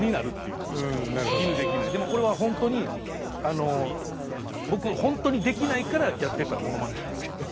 でもこれは本当に僕本当にできないからやってたモノマネなんですけど。